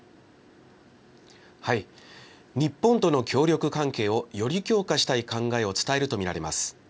日本との協力関係をより強化したい考えを伝えると見られます。